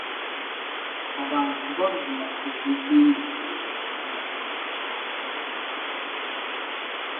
Abantu bagula ebizimbisibwa mu kibuga ne babitwala mu byalo.